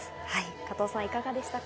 加藤さん、いかがでしたか？